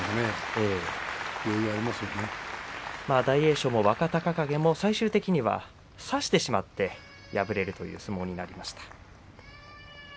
大栄翔も若隆景も最終的には差してしまって敗れるという相撲になりました。